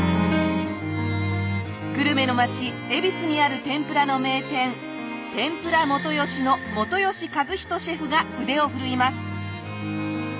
グルメの街恵比寿にある天ぷらの名店天ぷら元吉の元吉和仁シェフが腕を振るいます！